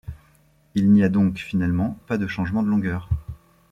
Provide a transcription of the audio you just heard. Il n'y a donc finalement pas de changement de longueur.